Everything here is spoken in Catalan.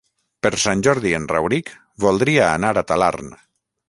Per Sant Jordi en Rauric voldria anar a Talarn.